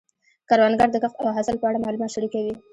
کروندګر د کښت او حاصل په اړه معلومات شریکوي